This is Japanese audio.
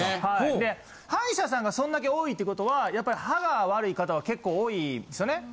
で歯医者さんがそんだけ多いっていうことはやっぱり歯が悪い方は結構多いんすよね。